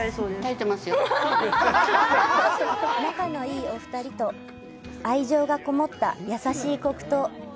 仲のいいお二人と、愛情がこもった優しい黒糖。